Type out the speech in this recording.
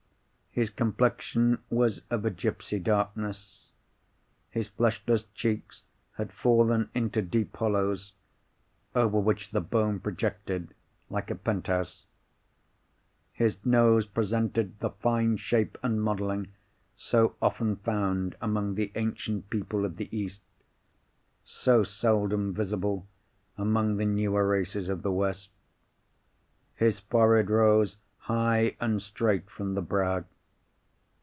His complexion was of a gipsy darkness; his fleshless cheeks had fallen into deep hollows, over which the bone projected like a penthouse. His nose presented the fine shape and modelling so often found among the ancient people of the East, so seldom visible among the newer races of the West. His forehead rose high and straight from the brow.